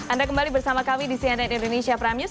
anda kembali bersama kami di cnn indonesia prime news